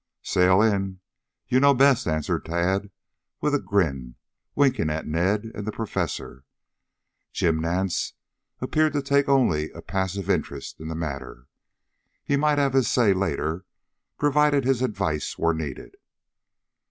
"Sail in. You know best," answered Tad, with a grin, winking at Ned and the Professor. Jim Nance appeared to take only a passive interest in the matter. He might have his say later provided his advice were needed.